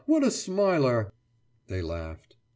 What a smiler!« They laughed.